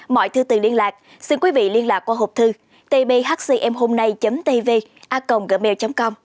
mọi thư từ liên lạc xin quý vị liên lạc qua hộp thư tbhcmhômnay tv a cộng gmail com